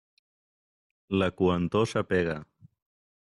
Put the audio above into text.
La coentor s'apega.